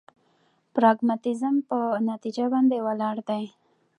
پراګماتيزم په نتيجه باندې ولاړ دی.